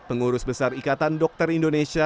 pengurus besar ikatan dokter indonesia